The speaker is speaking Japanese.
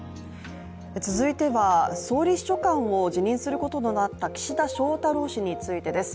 続いては、総理秘書官を辞任することとなった岸田翔太郎氏についてです。